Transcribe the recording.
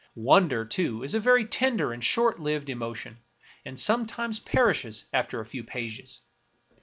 Wonder, too, Is a very tender and short lived emo tion, and sometimes perishes after a few pages.